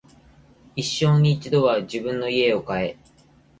一生に一度は自分の家を買え